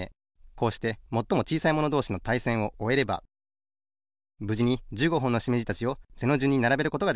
こうしてもっともちいさいものどうしのたいせんをおえればぶじに１５ほんのしめじたちを背のじゅんにならべることができました。